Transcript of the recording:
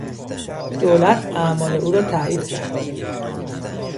دولت اعمال او را تایید کرد.